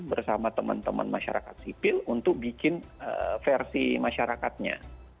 bersama teman teman masyarakat sipil untuk bikin versi masyarakatnya